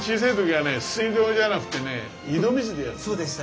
そうでした。